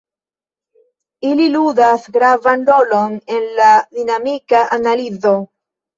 Ili ludas gravan rolon en la dinamika analizo.